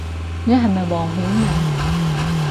你係咪黃曉明